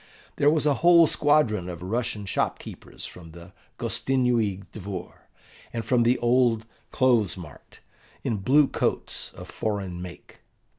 There was a whole squadron of Russian shop keepers from the Gostinnui Dvor, and from the old clothes mart, in blue coats of foreign make.